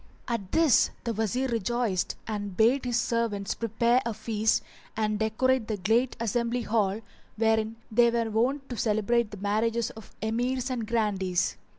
At this the Wazir rejoiced and bade his servants prepare a feast and decorate the great assembly hall, wherein they were wont to celebrate the marriages of Emirs and Grandees.